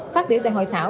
phát biểu tại hội thảo